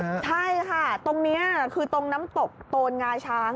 ใช่ตรงนี้คือน้ำตกโตลงาช้าง